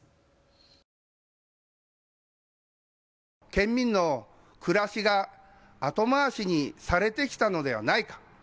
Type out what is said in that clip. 県民の暮らしが後回しにされてきたのではないか。